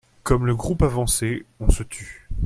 Comme le groupe avançait, on se tut.